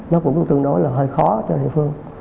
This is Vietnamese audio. nó cũng tương đối là hơi khó cho địa phương